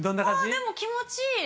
でも、気持ちいい。